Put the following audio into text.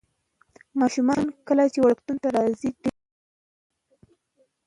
ماشومان کله چې وړکتون ته راځي ډېر ژاړي.